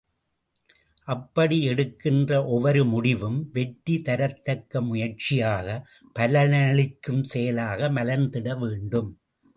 அப்படி எடுக்கின்ற ஒவ்வொரு முடிவும், வெற்றி தரத்தக்க முயற்சியாக, பலனளிக்கும் செயலாக மலர்ந்திட வேண்டும்.